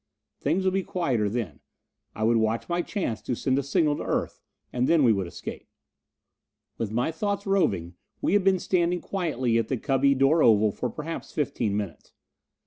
Things would be quieter then I would watch my chance to send a signal to Earth, and then we would escape. With my thoughts roving, we had been standing quietly at the cubby door oval for perhaps fifteen minutes.